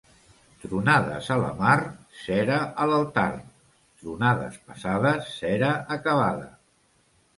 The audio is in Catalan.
Tronades a la mar, cera a l'altar; tronades passades, cera acabada.